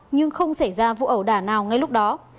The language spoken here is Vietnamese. nhưng không xảy ra vụ ẩu đả nào ngay lúc đó